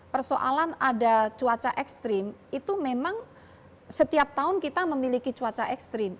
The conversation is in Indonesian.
persoalan ada cuaca ekstrim itu memang setiap tahun kita memiliki cuaca ekstrim